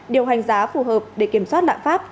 điều hành giá phù hợp để kiểm soát đạm pháp